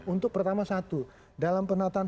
untuk pertama satu dalam penataan